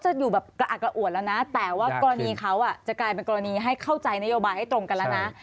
จะกลายเป็นกรณีให้เข้าใจนโยบายให้ตรงกันแล้วนะ